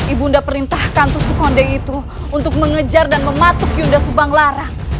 ibu nda perintahkan tusuk konde itu untuk mengejar dan mematuk yunda subang lara